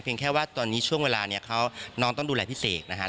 เพียงแค่ว่าตอนนี้ช่วงเวลานี้น้องต้องดูแลพิเศษนะฮะ